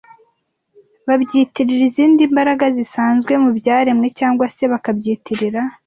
babyitirira izindi mbaraga zisanzwe mu byaremwe cyangwa se bakabyiyitirira